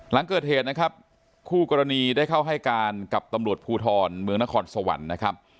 หลังเกิดเหตุนะครับคู่กรณีได้เข้าให้การกับตำรวจภูทรเมืองนครสวรรค์นะครับ